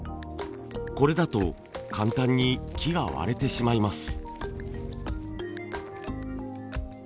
これだと簡単に木が割れてしまいます。